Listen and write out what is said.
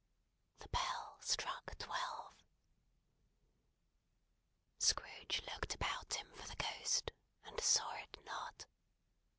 The bell struck twelve. Scrooge looked about him for the Ghost, and saw it not.